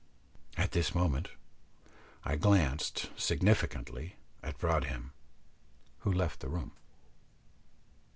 At this moment I glanced significantly at Broadhem, who left the room.